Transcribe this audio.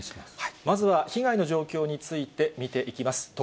まずは被害の状況について、見ていきます。